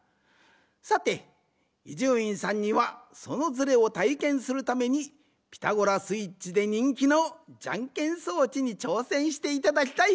さて伊集院さんにはそのズレをたいけんするために「ピタゴラスイッチ」でにんきのじゃんけん装置にちょうせんしていただきたい。